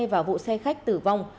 và vụ xe khách tử vong